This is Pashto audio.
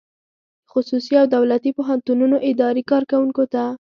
د خصوصي او دولتي پوهنتونونو اداري کارکوونکو ته